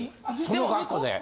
その格好で？